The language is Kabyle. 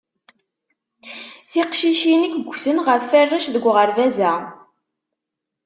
Tiqcicin i iggten ɣef arrac deg uɣerbaz-a.